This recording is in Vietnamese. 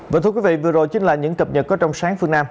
vâng thưa quý vị vừa rồi chính là những cập nhật có trong sáng phương nam